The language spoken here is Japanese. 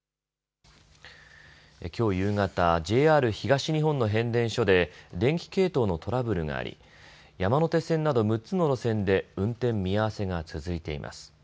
きょう夕方、ＪＲ東日本の変電所で電気系統のトラブルがあり山手線など６つの路線で運転見合わせが続いています。